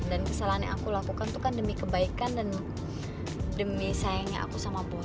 dan kesalahan yang aku lakukan itu kan demi kebaikan dan demi sayangnya aku sama boy